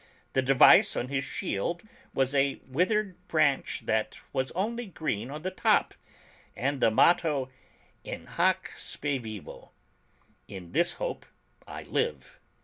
The device on his shield was a withered branch that was only green on the top, and the motto "In hac spe vivo" (In this hope I live).